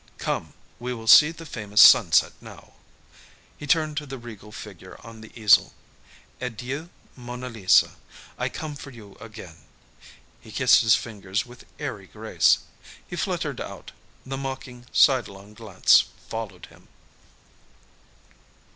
"Come, we will see the famous sunset now." He turned to the regal figure on the easel. "Adieu, Mona Lisa. I come for you again." He kissed his fingers with airy grace. He fluttered out. The mocking, sidelong glance followed him.